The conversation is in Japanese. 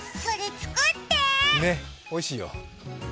おいしいよ。